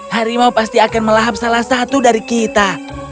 harimau pasti akan melahap salah satu dari kita